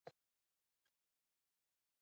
ملکیت د عمومي ادارې په واک کې ورکول کیږي.